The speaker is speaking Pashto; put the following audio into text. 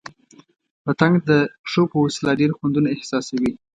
پتنګ د پښو په وسیله ډېر خوندونه احساسوي.